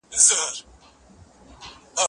زه اوږده وخت لوبي کوم.